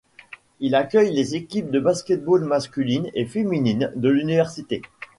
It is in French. Il accueille les équipes de basket-ball masculine et féminine de l'université.